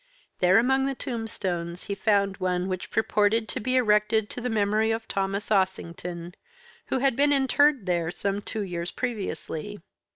There among the tombstones he found one which purported to be erected to the memory of Thomas Ossington, who had been interred there some two years previously.